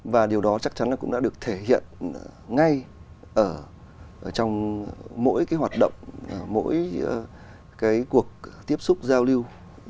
và điều đó chắc chắn là cũng đã được thể hiện ngay ở trong mỗi cái hoạt động mỗi cái cuộc tiếp xúc giao lưu